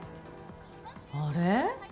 あれ？